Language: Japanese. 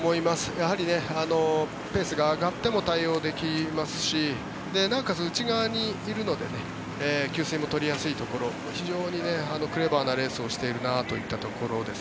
やはりペースが上がっても対応できますしなおかつ内側にいるので給水も取りやすいところ非常にクレバーなレースをしているなというところです。